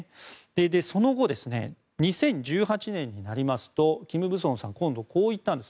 その後、２０１８年になりますとキム・ブソンさんはこう言ったんです。